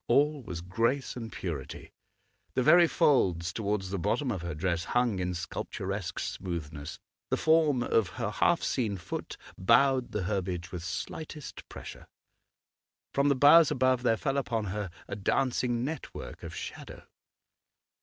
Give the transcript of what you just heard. All was grace and purity; the very folds towards the bottom of her dress hung in sculpturesque smoothness; the form of her half seen foot bowed the herbage with lightest pressure. From the boughs above there fell upon her a dancing network of shadow.